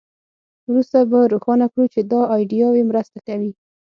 وروسته به روښانه کړو چې دا ایډیاوې مرسته کوي